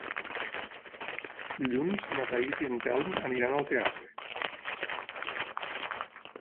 Dilluns na Thaís i en Telm aniran al teatre.